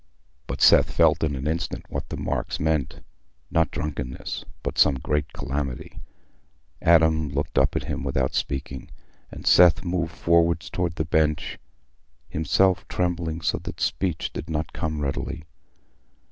But Seth felt in an instant what the marks meant—not drunkenness, but some great calamity. Adam looked up at him without speaking, and Seth moved forward towards the bench, himself trembling so that speech did not come readily.